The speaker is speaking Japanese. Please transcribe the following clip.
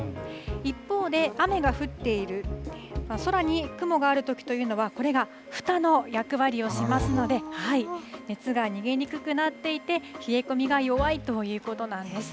一方で、雨が降っている、空に雲があるときというのは、これがふたの役割をしますので、熱が逃げにくくなっていて、冷え込みが弱いということなんです。